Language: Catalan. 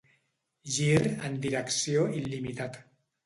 Gir en direcció il·limitat.